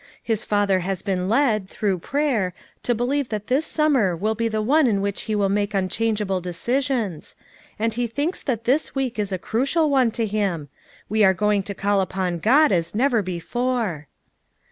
His father has been led, through prayer, to believe that this sum mer will be the one in which he will make un changeable decisions; and he thinks that this week is a crucial one to him; we are going to call upon God as never before."